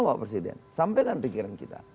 bapak presiden sampaikan pikiran kita